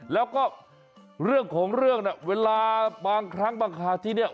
แล้วก็เรื่องของเรื่องน่ะเวลาบางครั้งบางคราวที่เนี่ย